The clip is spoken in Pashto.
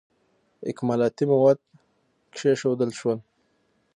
اکمالاتي مواد کښېښودل شول.